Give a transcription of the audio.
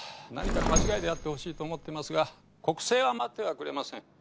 何かの間違いであってほしいと思っていますが国政は待ってはくれません。